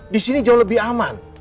disini jauh lebih aman